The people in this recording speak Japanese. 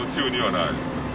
ないですね。